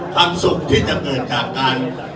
ครามสุขที่จะเกิดกลับกัน